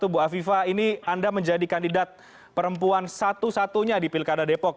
bu afifah ini anda menjadi kandidat perempuan satu satunya di pilkada depok